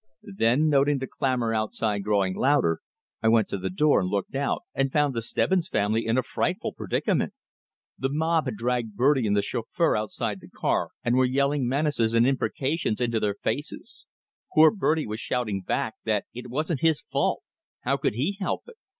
Then, noting the clamor outside growing louder, I went to the door and looked out, and found the Stebbins family in a frightful predicament. The mob had dragged Bertie and the chauffeur outside the car, and were yelling menaces and imprecations into their faces; poor Bertie was shouting back, that it wasn't his fault, how could he help it?